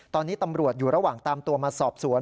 ตอนนี้ตำรวจอยู่ระหว่างตามตัวมาสอบสวน